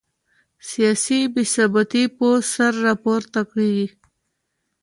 سیاسي بې ثباتي به سر راپورته کړي.